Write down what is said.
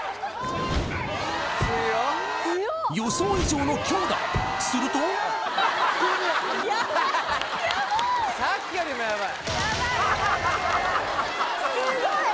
予想以上の強打するとさっきよりもヤバい！